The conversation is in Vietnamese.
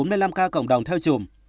phân bố bốn mươi năm ca cộng đồng theo trùm